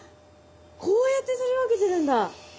こうやって取り分けてるんだ。